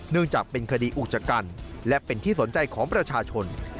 จากเป็นคดีอุกจกันและเป็นที่สนใจของประชาชน